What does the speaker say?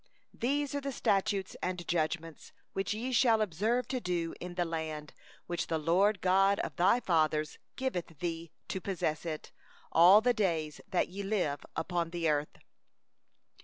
These are the statutes and the ordinances, which ye shall observe to do in the land which the LORD, the God of thy fathers, hath given thee to possess it, all the days that ye live upon the earth.